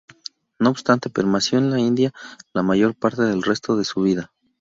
No obstante, permaneció en la India la mayor parte del resto de su vida.